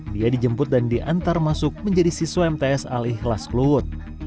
dia dijemput dan diantar masuk menjadi siswa mts al ikhlas kluwut